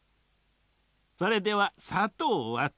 それではさとうはと。